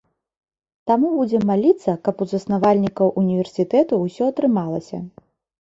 Таму будзем маліцца, каб у заснавальнікаў універсітэту ўсё атрымалася.